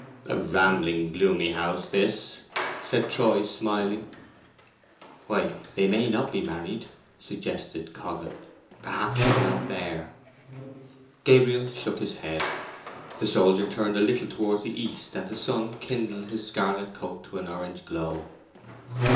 "A rambling, gloomy house this," said Troy, smiling. "Why—they may not be married!" suggested Coggan. "Perhaps she's not there." Gabriel shook his head. The soldier turned a little towards the east, and the sun kindled his scarlet coat to an orange glow.